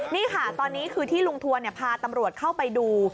นี่ค่ะตอนนี้คือที่ลุงทวนพาตำรวจเข้าไปดู